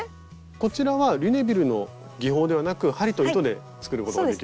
こちらはリュネビルの技法ではなく針と糸で作ることができる。